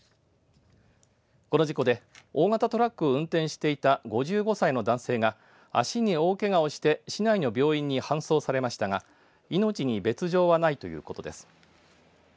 この事故で、大型トラックを運転していた５５歳の男性が足に大けがをして市内の病院に搬送されましたが命に別状はないということです。